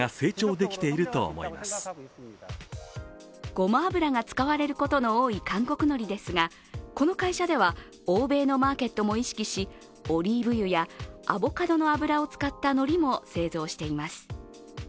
ごま油が使われることの多い韓国のりですが、この会社では、欧米のマーケットも意識し、オリーブ油やアボカドの油を使ったのりも製造しています。